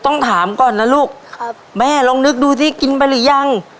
ต้องถามก่อนนะลูกครับแม่ลองนึกดูสิกินไปหรือยัง